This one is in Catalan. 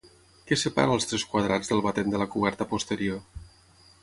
Què separa els tres quadrats del batent de la coberta posterior?